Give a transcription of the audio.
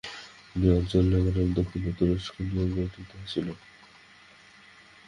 তিনি অঞ্চল, লেবানন ও দক্ষিণ তুরস্ক নিয়ে গঠিত ছিল।